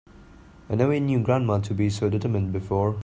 I never knew grandma to be so determined before.